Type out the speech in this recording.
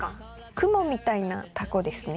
クモみたいなタコですね。